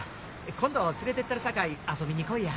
今度連れてったるさかい遊びに来いや。